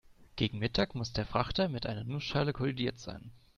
Gegen Mittag muss der Frachter mit einer Nussschale kollidiert sein.